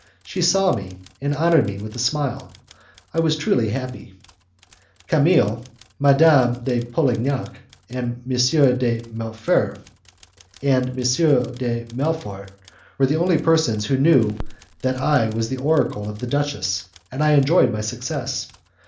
She saw me, and honoured me with a smile. I was truly happy. Camille, Madame de Polignac, and M. de Melfort were the only persons who knew that I was the oracle of the duchess, and I enjoyed my success.